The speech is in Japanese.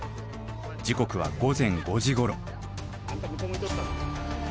時刻は午前５時ごろ。